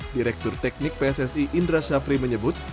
direktur teknik pssi indra syafri menyebut